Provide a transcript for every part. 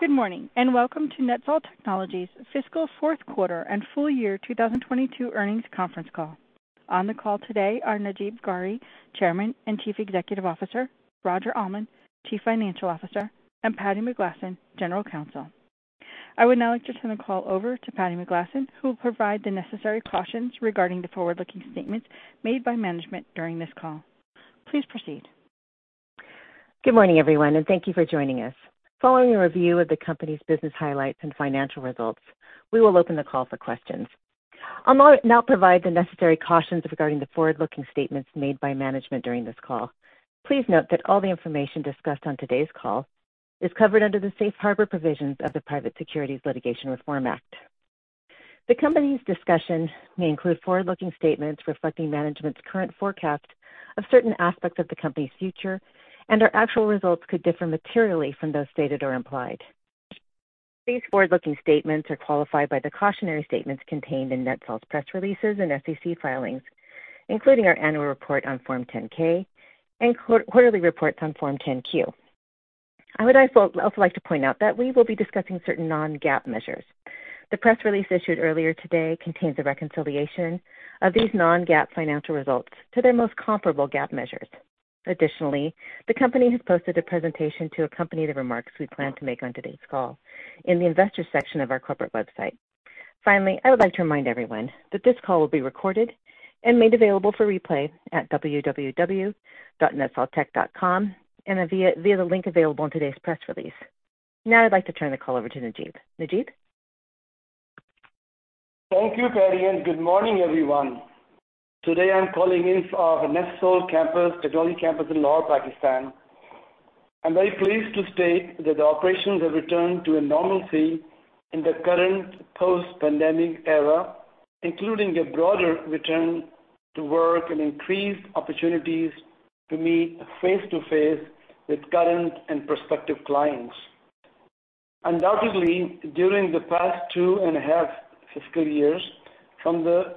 Good morning, and welcome to NETSOL Technologies' Fiscal Fourth Quarter and Full Year 2022 Earnings Conference Call. On the call today are Najeeb Ghauri, Chairman and Chief Executive Officer, Roger Almond, Chief Financial Officer, and Patti McGlasson, General Counsel. I would now like to turn the call over to Patti McGlasson, who will provide the necessary cautions regarding the forward-looking statements made by management during this call. Please proceed. Good morning, everyone, and thank you for joining us. Following a review of the company's business highlights and financial results, we will open the call for questions. I'll now provide the necessary cautions regarding the forward-looking statements made by management during this call. Please note that all the information discussed on today's call is covered under the Safe Harbor provisions of the Private Securities Litigation Reform Act. The company's discussion may include forward-looking statements reflecting management's current forecasts of certain aspects of the company's future, and our actual results could differ materially from those stated or implied. These forward-looking statements are qualified by the cautionary statements contained in NETSOL's press releases and SEC filings, including our annual report on Form 10-K and quarterly reports on Form 10-Q. I would also like to point out that we will be discussing certain non-GAAP measures. The press release issued earlier today contains a reconciliation of these non-GAAP financial results to their most comparable GAAP measures. Additionally, the company has posted a presentation to accompany the remarks we plan to make on today's call in the Investors section of our corporate website. Finally, I would like to remind everyone that this call will be recorded and made available for replay at www.netsoltech.com and via the link available in today's press release. Now I'd like to turn the call over to Najeeb. Najeeb? Thank you, Patti, and good morning, everyone. Today, I'm calling in from our NETSOL campus, technology campus in Lahore, Pakistan. I'm very pleased to state that the operations have returned to a normalcy in the current post-pandemic era, including a broader return to work and increased opportunities to meet face-to-face with current and prospective clients. Undoubtedly, during the past two and a half fiscal years, from the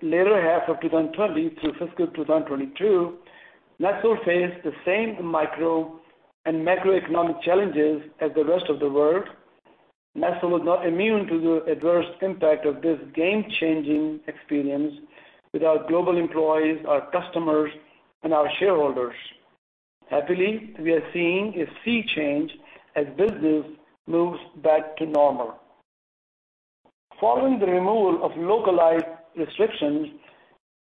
latter half of 2020 through fiscal 2022, NETSOL faced the same micro and macroeconomic challenges as the rest of the world. NETSOL was not immune to the adverse impact of this game-changing experience with our global employees, our customers, and our shareholders. Happily, we are seeing a sea change as business moves back to normal. Following the removal of localized restrictions,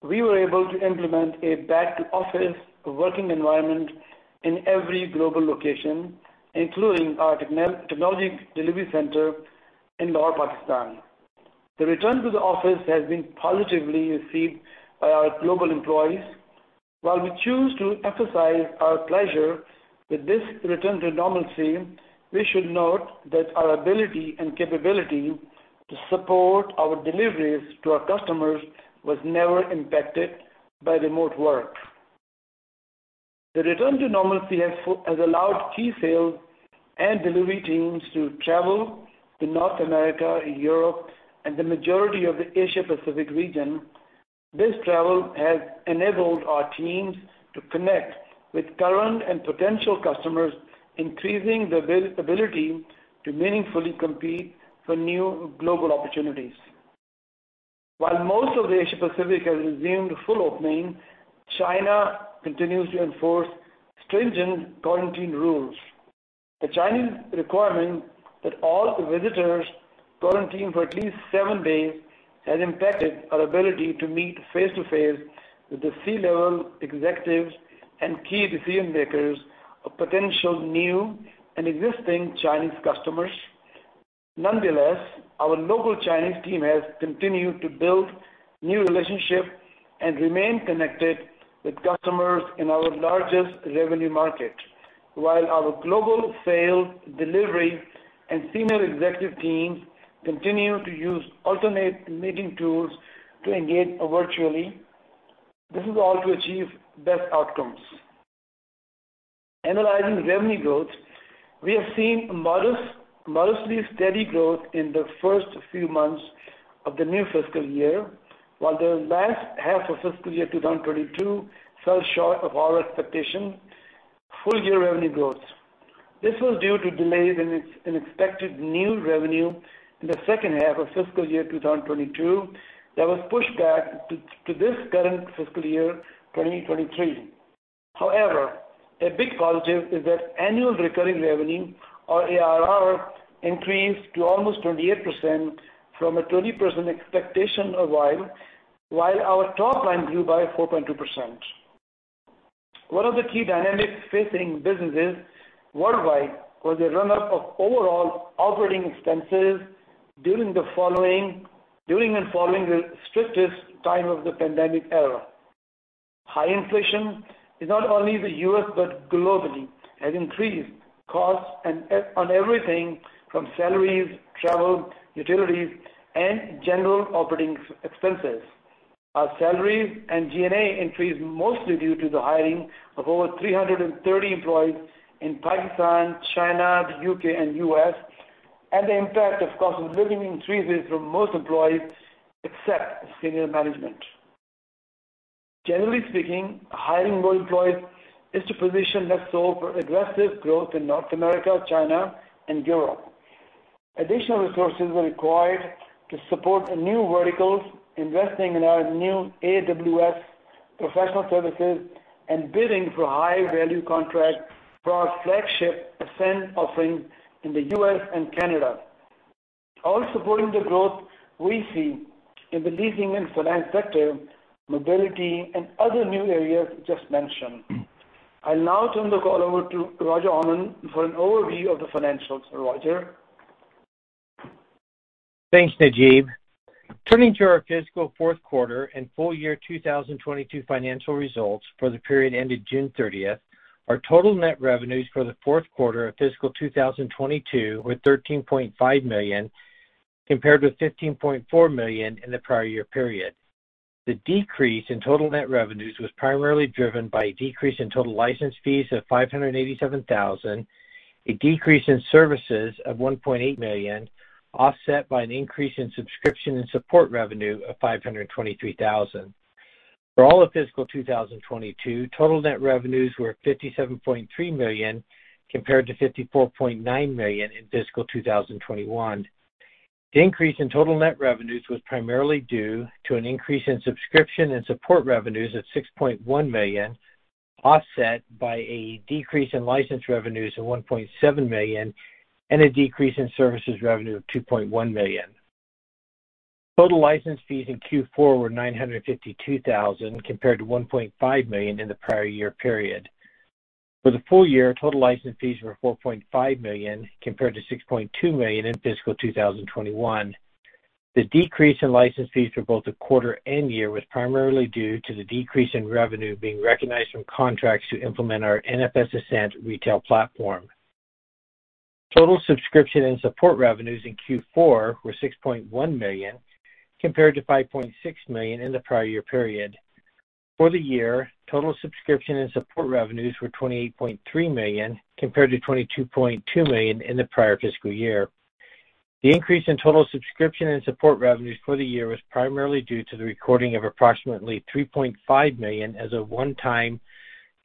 we were able to implement a back-to-office working environment in every global location, including our technology delivery center in Lahore, Pakistan. The return to the office has been positively received by our global employees. While we choose to emphasize our pleasure with this return to normalcy, we should note that our ability and capability to support our deliveries to our customers was never impacted by remote work. The return to normalcy has allowed key sales and delivery teams to travel to North America, Europe, and the majority of the Asia-Pacific region. This travel has enabled our teams to connect with current and potential customers, increasing their ability to meaningfully compete for new global opportunities. While most of the Asia-Pacific has resumed full opening, China continues to enforce stringent quarantine rules. The Chinese requirement that all visitors quarantine for at least seven days has impacted our ability to meet face-to-face with the C-level executives and key decision-makers of potential new and existing Chinese customers. Nonetheless, our local Chinese team has continued to build new relationships and remain connected with customers in our largest revenue market. While our global sales, delivery, and senior executive teams continue to use alternate meeting tools to engage virtually. This is all to achieve best outcomes. Analyzing revenue growth, we have seen modest, modestly steady growth in the first few months of the new fiscal year, while the last half of fiscal year 2022 fell short of our expectation full year revenue growth. This was due to delays in expected new revenue in the second half of fiscal year 2022 that was pushed back to this current fiscal year, 2023. However, a big positive is that annual recurring revenue or ARR increased to almost 28% from a 20% expectation while our top line grew by 4.2%. One of the key dynamics facing businesses worldwide was a run-up of overall operating expenses during and following the strictest time of the pandemic era. High inflation in not only the U.S. but globally has increased costs and on everything from salaries, travel, utilities, and general operating expenses. Our salaries and G&A increased mostly due to the hiring of over 330 employees in Pakistan, China, the U.K., and U.S., and the impact, of course, of cost-of-living increases for most employees except senior management. Generally speaking, hiring more employees is to position NETSOL for aggressive growth in North America, China, and Europe. Additional resources were required to support the new verticals, investing in our new AWS professional services, and bidding for high-value contracts for our flagship Ascent offering to the U.S. and Canada. All supporting the growth we see in the leasing and finance sector, mobility, and other new areas just mentioned. I'll now turn the call over to Roger Almond for an overview of the financials. Roger? Thanks, Najeeb. Turning to our fiscal fourth quarter and full year 2022 financial results for the period ended June 30th. Our total net revenues for the fourth quarter of fiscal 2022 were $13.5 million, compared with $15.4 million in the prior year period. The decrease in total net revenues was primarily driven by a decrease in total license fees of $587,000, a decrease in services of $1.8 million, offset by an increase in subscription and support revenue of $523,000. For all of fiscal 2022, total net revenues were $57.3 million, compared to $54.9 million in fiscal 2021. The increase in total net revenues was primarily due to an increase in subscription and support revenues at $6.1 million, offset by a decrease in license revenues of $1.7 million and a decrease in services revenue of $2.1 million. Total license fees in Q4 were $952,000 compared to $1.5 million in the prior year period. For the full year, total license fees were $4.5 million compared to $6.2 million in fiscal 2021. The decrease in license fees for both the quarter and year was primarily due to the decrease in revenue being recognized from contracts to implement our NFS Ascent retail platform. Total subscription and support revenues in Q4 were $6.1 million, compared to $5.6 million in the prior year period. For the year, total subscription and support revenues were $28.3 million, compared to $22.2 million in the prior fiscal year. The increase in total subscription and support revenues for the year was primarily due to the recording of approximately $3.5 million as a one-time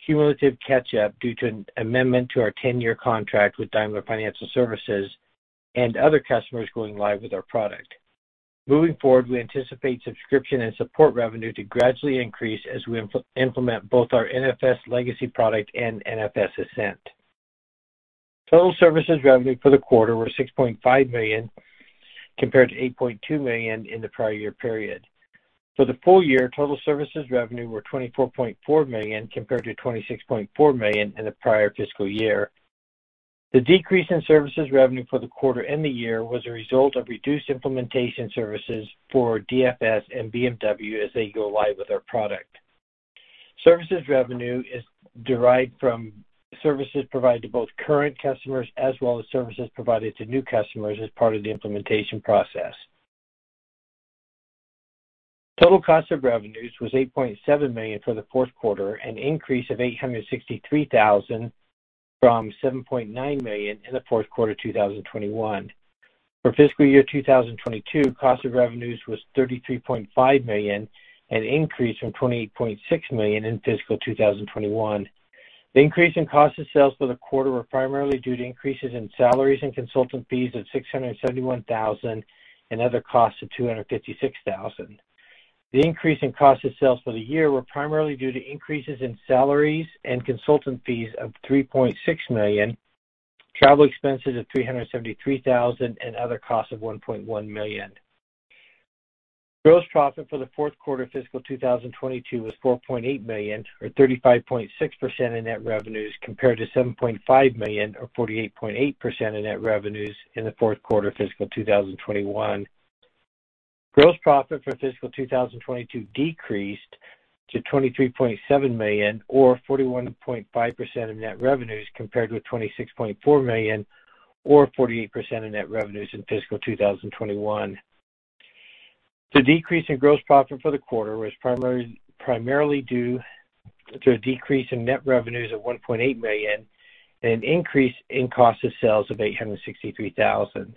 cumulative catch-up due to an amendment to our 10-year contract with Daimler Financial Services and other customers going live with our product. Moving forward, we anticipate subscription and support revenue to gradually increase as we implement both our NFS legacy product and NFS Ascent. Total services revenue for the quarter were $6.5 million, compared to $8.2 million in the prior year period. For the full year, total services revenue were $24.4 million, compared to $26.4 million in the prior fiscal year. The decrease in services revenue for the quarter and the year was a result of reduced implementation services for DFS and BMW as they go live with our product. Services revenue is derived from services provided to both current customers as well as services provided to new customers as part of the implementation process. Total cost of revenues was $8.7 million for the fourth quarter, an increase of $863,000 from $7.9 million in the fourth quarter 2021. For fiscal year 2022, cost of revenues was $33.5 million, an increase from $28.6 million in fiscal 2021. The increase in cost of sales for the quarter were primarily due to increases in salaries and consultant fees of $671,000 and other costs of $256,000. The increase in cost of sales for the year were primarily due to increases in salaries and consultant fees of $3.6 million, travel expenses of $373,000, and other costs of $1.1 million. Gross profit for the fourth quarter fiscal 2022 was $4.8 million, or 35.6% of net revenues, compared to $7.5 million, or 48.8% of net revenues in the fourth quarter fiscal 2021. Gross profit for fiscal 2022 decreased to $23.7 million or 41.5% of net revenues, compared with $26.4 million or 48% of net revenues in fiscal 2021. The decrease in gross profit for the quarter was primarily due to a decrease in net revenues of $1.8 million and an increase in cost of sales of $863,000.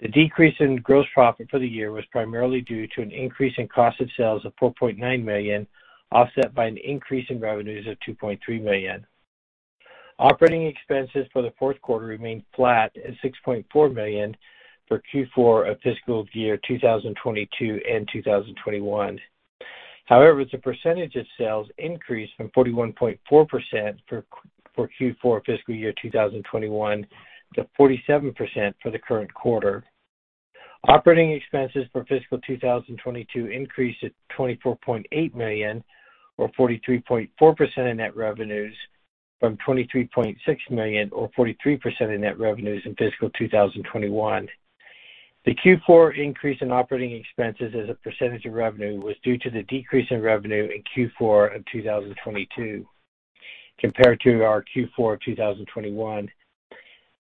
The decrease in gross profit for the year was primarily due to an increase in cost of sales of $4.9 million, offset by an increase in revenues of $2.3 million. Operating expenses for the fourth quarter remained flat at $6.4 million for Q4 of fiscal year 2022 and 2021. However, the percentage of sales increased from 41.4% for Q4 fiscal year 2021 to 47% for the current quarter. Operating expenses for fiscal 2022 increased to $24.8 million or 43.4% of net revenues from $23.6 million or 43% of net revenues in fiscal 2021. The Q4 increase in operating expenses as a percentage of revenue was due to the decrease in revenue in Q4 of 2022 compared to our Q4 of 2021.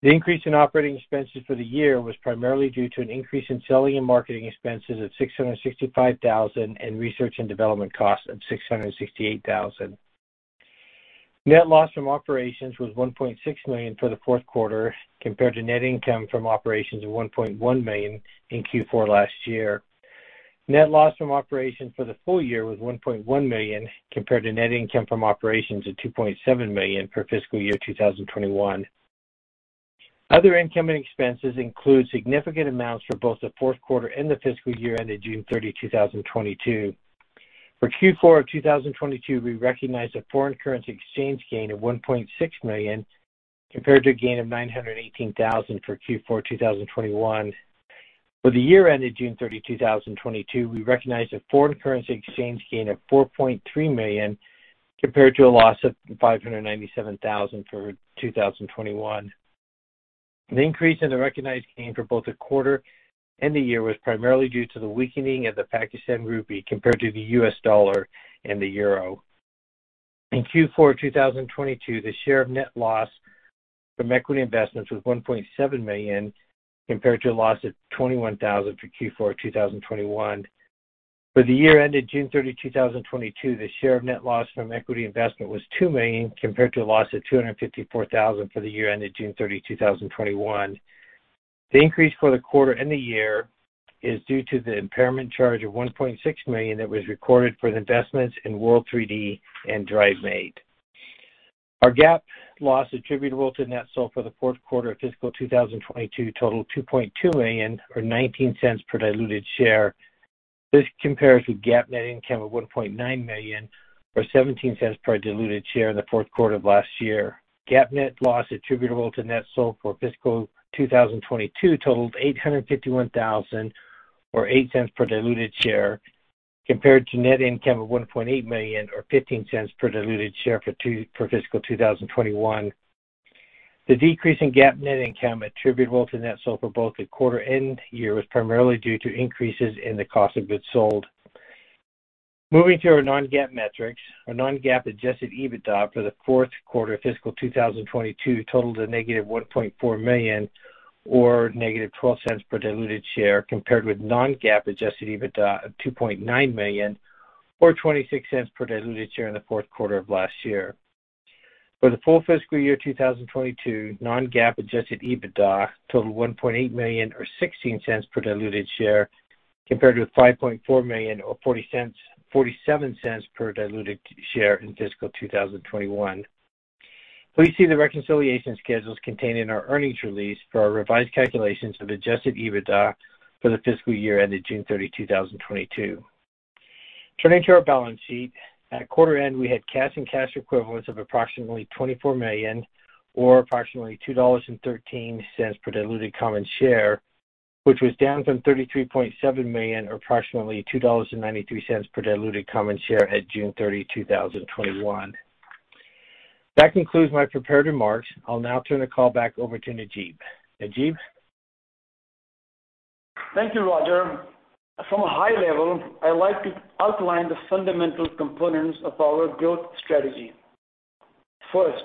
The increase in operating expenses for the year was primarily due to an increase in selling and marketing expenses of $665,000 and research and development costs of $668,000. Net loss from operations was $1.6 million for the fourth quarter compared to net income from operations of $1.1 million in Q4 last year. Net loss from operations for the full year was $1.1 million compared to net income from operations of $2.7 million for fiscal year 2021. Other income and expenses include significant amounts for both the fourth quarter and the fiscal year ended June 30, 2022. For Q4 of 2022, we recognized a foreign currency exchange gain of $1.6 million compared to a gain of $918,000 for Q4, 2021. For the year ended June 30, 2022, we recognized a foreign currency exchange gain of $4.3 million compared to a loss of $597,000 for 2021. The increase in the recognized gain for both the quarter and the year was primarily due to the weakening of the Pakistan rupee compared to the U.S. dollar and the euro. In Q4 2022, the share of net loss from equity investments was $1.7 million compared to a loss of $21,000 for Q4 2021. For the year ended June 30, 2022, the share of net loss from equity investment was $2 million compared to a loss of $254,000 for the year ended June 30, 2021. The increase for the quarter and the year is due to the impairment charge of $1.6 million that was recorded for the investments in WRLD3D and Drivemate. Our GAAP loss attributable to NETSOL for the fourth quarter of fiscal 2022 totaled $2.2 million or $0.19 per diluted share. This compares with GAAP net income of $1.9 million or $0.17 per diluted share in the fourth quarter of last year. GAAP net loss attributable to NETSOL for fiscal 2022 totaled $851,000 or $0.08 per diluted share, compared to net income of $1.8 million or $0.15 per diluted share for fiscal 2021. The decrease in GAAP net income attributable to NETSOL for both the quarter and year was primarily due to increases in the cost of goods sold. Moving to our non-GAAP metrics. Our non-GAAP adjusted EBITDA for the fourth quarter fiscal 2022 totaled -$1.4 million or -$0.12 per diluted share, compared with non-GAAP adjusted EBITDA of $2.9 million or $0.26 per diluted share in the fourth quarter of last year. For the full fiscal year 2022, non-GAAP adjusted EBITDA totaled $1.8 million or $0.16 per diluted share, compared with $5.4 million or $0.47 per diluted share in fiscal 2021. Please see the reconciliation schedules contained in our earnings release for our revised calculations of adjusted EBITDA for the fiscal year ended June 30, 2022. Turning to our balance sheet. At quarter end, we had cash and cash equivalents of approximately $24 million or approximately $2.13 per diluted common share, which was down from $33.7 million or approximately $2.93 per diluted common share at June 30, 2021. That concludes my prepared remarks. I'll now turn the call back over to Najeeb. Najeeb? Thank you, Roger. From a high level, I'd like to outline the fundamental components of our growth strategy. First,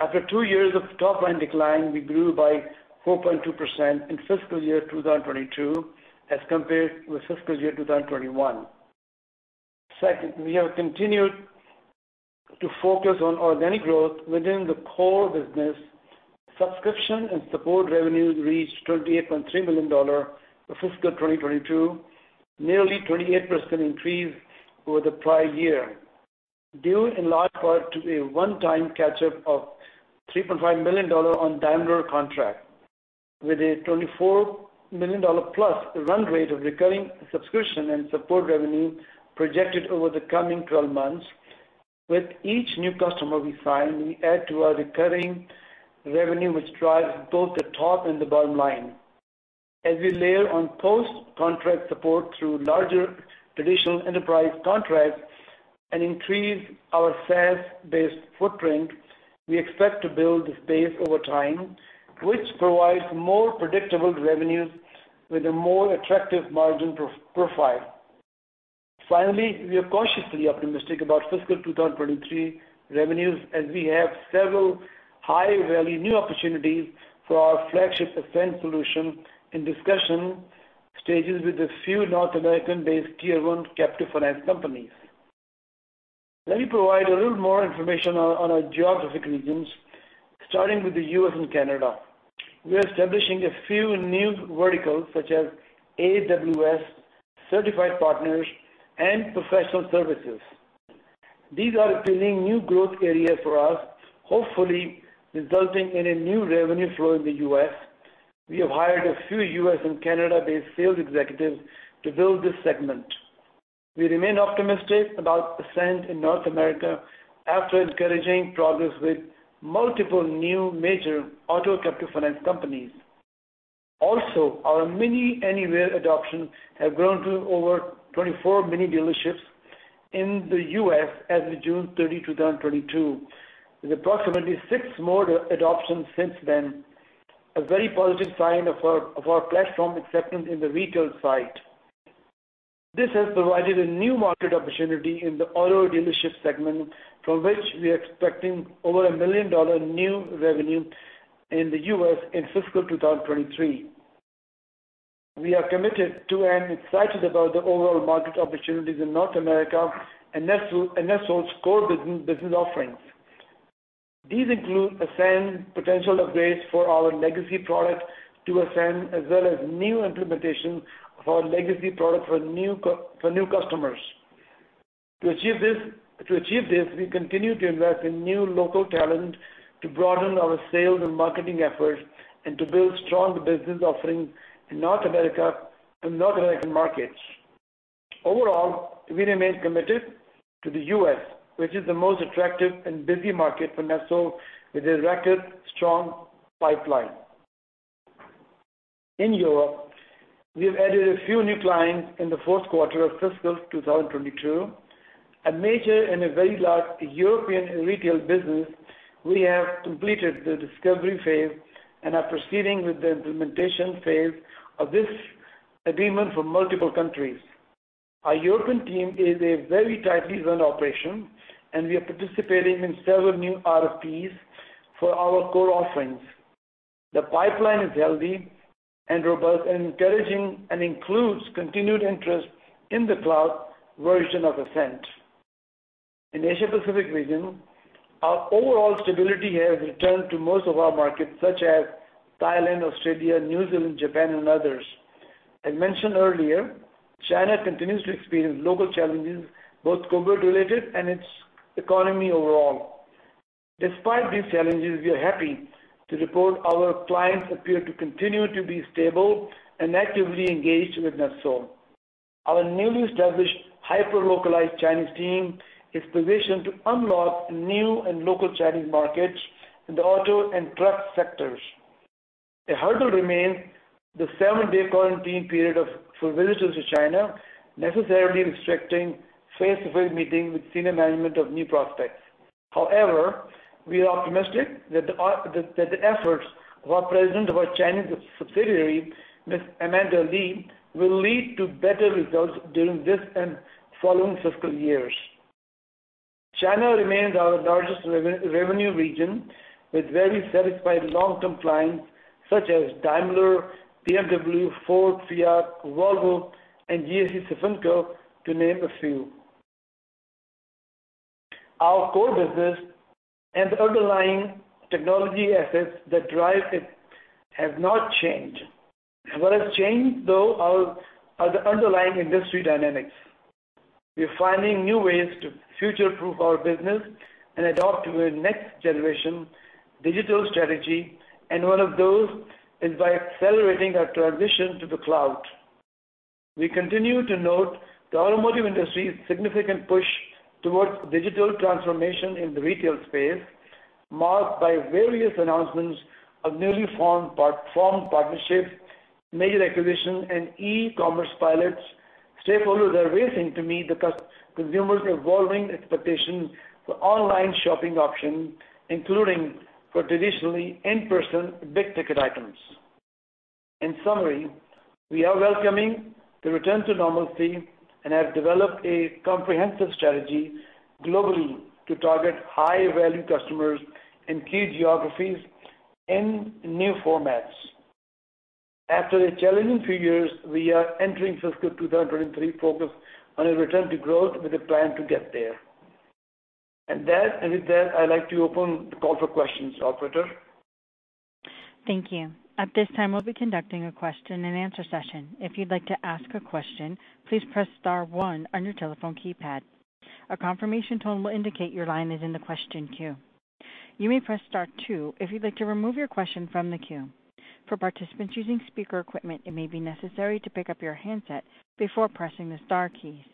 after two years of top line decline, we grew by 4.2% in fiscal year 2022 as compared with fiscal year 2021. Second, we have continued to focus on organic growth within the core business. Subscription and support revenues reached $28.3 million for fiscal 2022, nearly 28% increase over the prior year, due in large part to a one-time catch-up of $3.5 million on Daimler contract with a $24 million+ run rate of recurring subscription and support revenue projected over the coming 12 months. With each new customer we sign, we add to our recurring revenue, which drives both the top and the bottom line. As we layer on post-contract support through larger traditional enterprise contracts and increase our SaaS-based footprint, we expect to build this base over time, which provides more predictable revenues with a more attractive margin profile. Finally, we are cautiously optimistic about fiscal 2023 revenues as we have several high-value new opportunities for our flagship Ascent solution in discussion stages with a few North American-based Tier 1 captive finance companies. Let me provide a little more information on our geographic regions, starting with the U.S. and Canada. We are establishing a few new verticals such as AWS-certified partners and professional services. These are appealing new growth areas for us, hopefully resulting in a new revenue flow in the U.S. We have hired a few U.S. and Canada-based sales executives to build this segment. We remain optimistic about Ascent in North America after encouraging progress with multiple new major auto captive finance companies. Also, our MINI Anywhere adoption have grown to over 24 MINI dealerships in the U.S. as of June 30, 2022, with approximately six more adoptions since then, a very positive sign of our platform acceptance in the retail side. This has provided a new market opportunity in the auto dealership segment, from which we are expecting over $1 million new revenue in the U.S. in fiscal 2023. We are committed to and excited about the overall market opportunities in North America and NETSOL and NETSOL's core business offerings. These include Ascent potential upgrades for our legacy product to Ascent, as well as new implementation of our legacy product for new customers. To achieve this, we continue to invest in new local talent to broaden our sales and marketing efforts and to build strong business offerings in North America and North American markets. Overall, we remain committed to the U.S., which is the most attractive and busy market for NETSOL with a record strong pipeline. In Europe, we have added a few new clients in the fourth quarter of fiscal 2022. A major and a very large European retail business, we have completed the discovery phase and are proceeding with the implementation phase of this agreement for multiple countries. Our European team is a very tightly run operation, and we are participating in several new RFPs for our core offerings. The pipeline is healthy and robust and encouraging and includes continued interest in the cloud version of Ascent. In Asia-Pacific region, our overall stability has returned to most of our markets such as Thailand, Australia, New Zealand, Japan, and others. As mentioned earlier, China continues to experience local challenges, both COVID related and its economy overall. Despite these challenges, we are happy to report our clients appear to continue to be stable and actively engaged with NETSOL. Our newly established hyper-localized Chinese team is positioned to unlock new and local Chinese markets in the auto and truck sectors. A hurdle remains the seven-day quarantine period for visitors to China, necessarily restricting face-to-face meetings with senior management of new prospects. However, we are optimistic that the efforts of our President of our Chinese subsidiary, Ms. Amanda Li, will lead to better results during this and following fiscal years. China remains our largest revenue region, with very satisfied long-term clients such as Daimler, BMW, Ford, Fiat, Volvo, and GAC-Sofinco, to name a few. Our core business and the underlying technology assets that drive it have not changed. What has changed, though, are the underlying industry dynamics. We are finding new ways to future-proof our business and adapt to a next generation digital strategy, and one of those is by accelerating our transition to the cloud. We continue to note the automotive industry's significant push towards digital transformation in the retail space, marked by various announcements of newly formed partnerships, major acquisitions, and e-commerce pilots. Stakeholders are racing to meet the consumers' evolving expectations for online shopping options, including for traditionally in-person big-ticket items. In summary, we are welcoming the return to normalcy and have developed a comprehensive strategy globally to target high-value customers in key geographies in new formats. After a challenging few years, we are entering fiscal 2023 focused on a return to growth with a plan to get there. With that, I'd like to open the call for questions. Operator? Thank you. At this time, we'll be conducting a question and answer session. If you'd like to ask a question, please press star one on your telephone keypad. A confirmation tone will indicate your line is in the question queue. You may press star two if you'd like to remove your question from the queue. For participants using speaker equipment, it may be necessary to pick up your handset before pressing the star keys.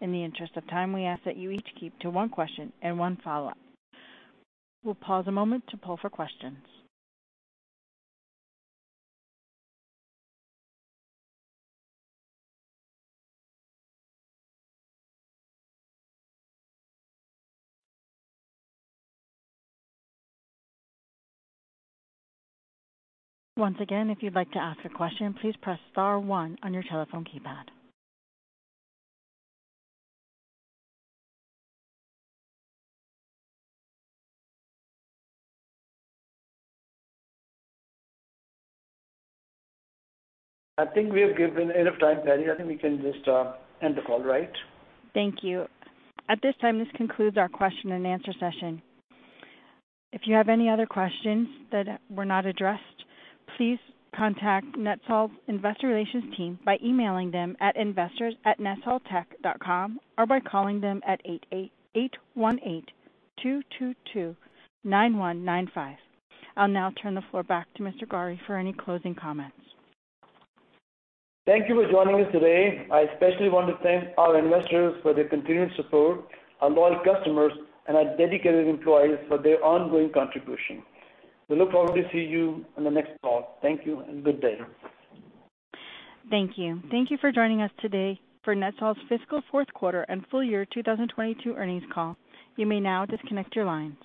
In the interest of time, we ask that you each keep to one question and one follow-up. We'll pause a moment to poll for questions. Once again, if you'd like to ask a question, please press star one on your telephone keypad. I think we have given enough time, Patti. I think we can just end the call, right? Thank you. At this time, this concludes our question and answer session. If you have any other questions that were not addressed, please contact NETSOL's Investor Relations team by emailing them at investors@netsoltech.com or by calling them at 88-818-222-9195. I'll now turn the floor back to Mr. Ghauri for any closing comments. Thank you for joining us today. I especially want to thank our investors for their continued support, our loyal customers, and our dedicated employees for their ongoing contribution. We look forward to see you on the next call. Thank you and good day. Thank you. Thank you for joining us today for NETSOL's fiscal fourth quarter and full year 2022 earnings call. You may now disconnect your lines.